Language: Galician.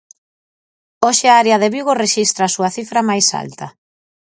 Hoxe a área de Vigo rexistra a súa cifra máis alta.